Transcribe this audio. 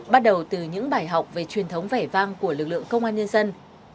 bắt đầu từ những bài học về truyền thống vẻ vang của lực lượng công an nhân dân